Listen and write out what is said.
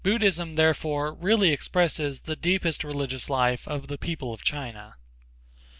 Buddhism, therefore, really expresses the deepest religious life of the people of China.